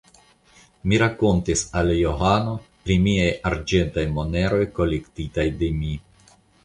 Mi rakontis al Johano pri miaj arĝentaj moneroj kolektitaj de mi.